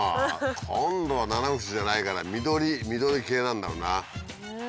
今度はナナフシじゃないから緑系なんだろうな。